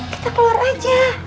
kita keluar aja